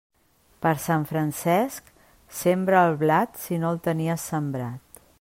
Per Sant Francesc sembra el blat, si no el tenies sembrat.